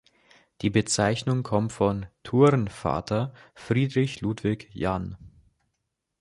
Die Bezeichnung kommt von „Turnvater“ Friedrich Ludwig Jahn.